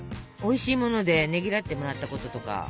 おいしいものでねぎらってもらったこととか。